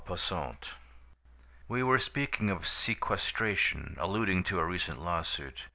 Charles Sommer. We were speaking of sequestration, alluding to a recent lawsuit.